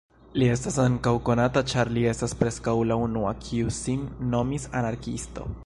Li estas ankaŭ konata ĉar li estas preskaŭ la unua kiu sin nomis "anarkiisto".